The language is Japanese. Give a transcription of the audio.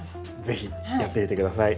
是非やってみて下さい。